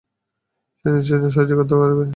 সে নিশ্চয়ই সাহায্য করতে পারবে।